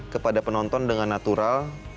kepada penonton dengan natural